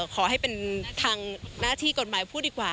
ขอให้เป็นทางหน้าที่กฎหมายพูดดีกว่า